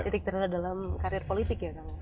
titik terendah dalam karir politik ya kang